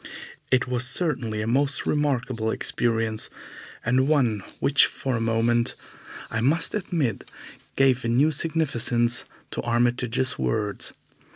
It was certainly a most remarkable experience, and one which for a moment, I must admit, gave a new significance to Armitage's words.